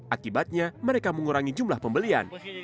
akibatnya mereka mengurangi jumlah pembelian